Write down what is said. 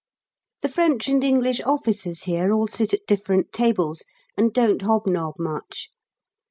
The French and English officers here all sit at different tables, and don't hobnob much.